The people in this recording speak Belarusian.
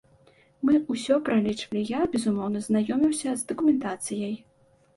Мы ўсё пралічвалі, я, безумоўна, знаёміўся з дакументацыяй.